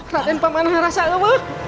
pak den mana rasa kamu